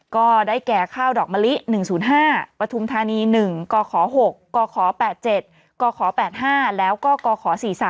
ก็ได้แก่ข้าวดอกมะลิ๑๐๕ปฐุมธานี๑กข๖กข๘๗กข๘๕แล้วก็กข๔๓